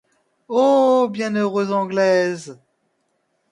O bienheureuse Anglaise !